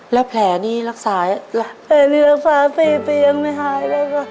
แล้วแผ่นี่รักษาอะไรแผ่นี่รักษาสี่ปียังไม่หายแล้วก็